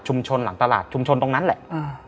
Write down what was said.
หลังตลาดชุมชนตรงนั้นแหละ